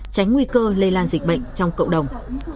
tránh nguy cơ lây lan dịch bệnh trong cộng đồng